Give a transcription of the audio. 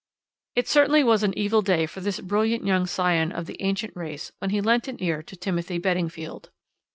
"It certainly was an evil day for this brilliant young scion of the ancient race when he lent an ear to Timothy Beddingfield.